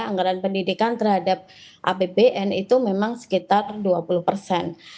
anggaran pendidikan terhadap apbn itu memang tidak terlalu tinggi